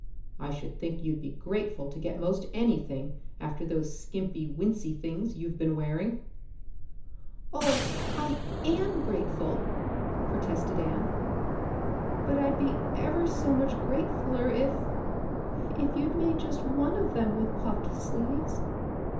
I should think you'd be grateful to get most anything after those skimpy wincey things you've been wearing." "Oh, I am grateful," protested Anne. "But I'd be ever so much gratefuller if if you'd made just one of them with puffed sleeves.